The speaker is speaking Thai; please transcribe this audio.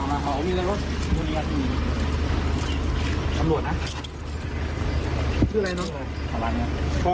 อำรวจนะครับชื่ออะไรนั่นค่ะฝรั่งนะครับ